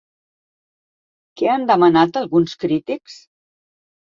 Què han demanat alguns crítics?